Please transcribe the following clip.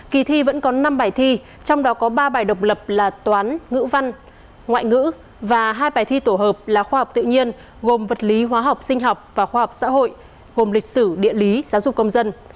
kỳ thi vẫn có năm bài thi trong đó có ba bài độc lập là toán ngữ văn ngoại ngữ và hai bài thi tổ hợp là khoa học tự nhiên gồm vật lý hóa học sinh học và khoa học xã hội gồm lịch sử địa lý giáo dục công dân